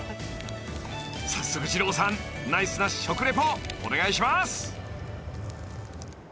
［早速二朗さんナイスな食レポお願いします！］